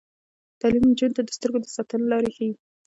تعلیم نجونو ته د سترګو د ساتنې لارې ښيي.